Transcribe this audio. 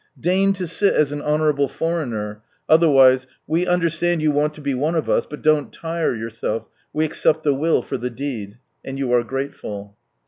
" Deign to sit as an honourable foreigner," otherwise "we understand you want lo be one of us, but don't tire yourself, we accept the will for the deed." And you are grateful.